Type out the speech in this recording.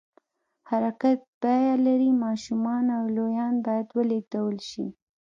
حرکت بیه لري، ماشومان او لویان باید ولېږدول شي.